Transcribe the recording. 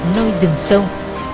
nơi rừng sông